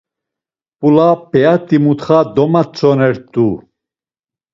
Mp̌ula p̌eyat̆i mutxa domatzonert̆u.